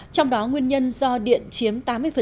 trong đó nguyên nhân do điện chiếm tám mươi